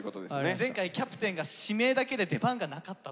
前回キャプテンが指名だけで出番がなかったと。